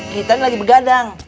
kita ini lagi begadang